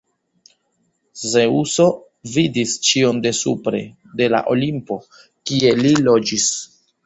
Zeŭso vidis ĉion de supre, de la Olimpo, kie li loĝis.